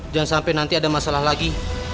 jangan sampai nanti ada masalah lagi